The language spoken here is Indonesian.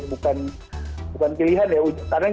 bukan pilihan ya karena